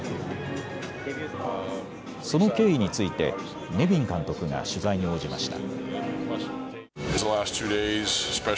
その経緯についてネビン監督が取材に応じました。